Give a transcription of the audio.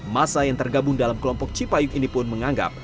masa yang tergabung dalam kelompok cipayung ini pun menganggap